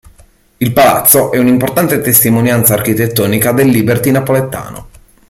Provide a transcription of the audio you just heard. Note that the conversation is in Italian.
Il palazzo è un'importante testimonianza architettonica del liberty napoletano.